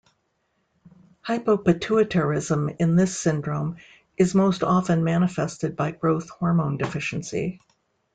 Hypopituitarism in this syndrome is most often manifested by growth hormone deficiency.